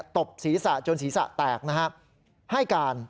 ตบศีรษะจนศีรษะแตกนะครับ